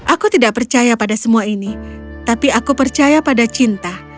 aku tidak percaya pada semua ini tapi aku percaya pada cinta